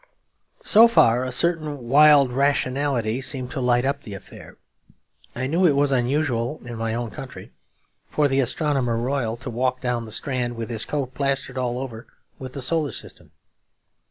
So far a certain wild rationality seemed to light up the affair. I knew it was unusual, in my own country, for the Astronomer Royal to walk down the Strand with his coat plastered all over with the Solar System.